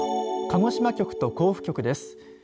鹿児島局と甲府局です。